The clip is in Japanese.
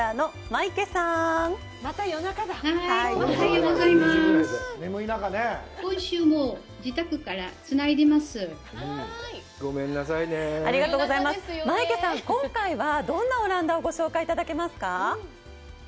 マイケさん、今回は、どんなオランダをご紹介いただけますか？